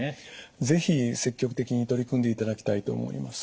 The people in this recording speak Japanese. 是非積極的に取り組んでいただきたいと思います。